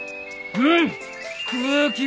うん。